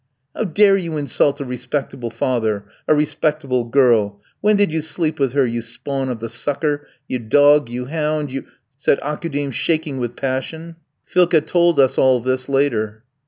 "'How dare you insult a respectable father a respectable girl? When did you sleep with her, you spawn of the sucker, you dog, you hound, you ?' said Aukoudim shaking with passion. (Philka told us all this later).